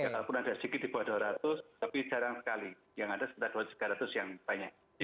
walaupun ada sedikit di bawah rp dua ratus tapi jarang sekali yang ada sekitar rp dua ratus rp tiga ratus yang banyak